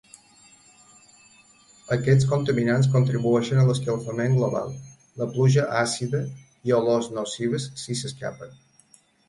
Aquests contaminants contribueixen a l'escalfament global, la pluja àcida, i olors nocives si s'escapen.